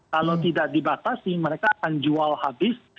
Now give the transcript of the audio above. kalau tidak dibatasi mereka akan jual habis